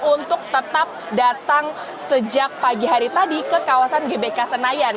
untuk tetap datang sejak pagi hari tadi ke kawasan gbk senayan